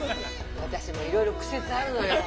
私もいろいろ苦節あるのよ。